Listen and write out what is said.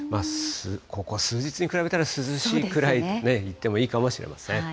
ここ数日に比べたら涼しいくらいと言ってもいいかもしれません。